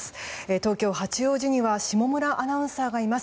東京・八王子には下村アナウンサーがいます。